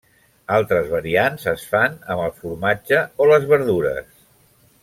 Altres variants es fan amb el formatge o les verdures.